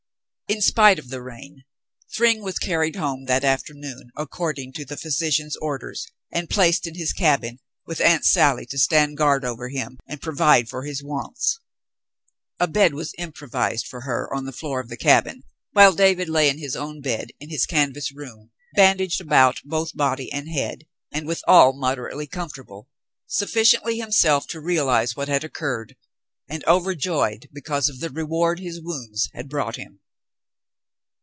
In spite of the rain, Thryng was carried home that after noon according to the physician's orders, and placed in his cabin with Aunt Sally to stand guard over him and provide for his wants. A bed was improvised for her on the floor of the cabin, while David lay in his own bed in his canvas room, bandaged about both body and head, and withal moderately comfortable, sufficiently himself to realize what had occurred, and overjoyed because of the reward his wounds had brought him.